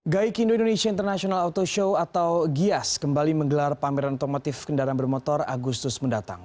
gaikindo indonesia international auto show atau gias kembali menggelar pameran otomotif kendaraan bermotor agustus mendatang